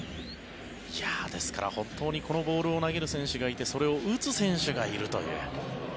ですから、本当にこのボールを投げる選手がいてそれを打つ選手がいるという。